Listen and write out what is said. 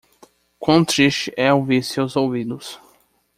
Quão triste é ouvir seus ouvidos.